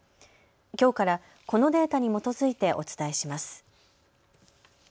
きょうからこのデータに基づいてお伝えします。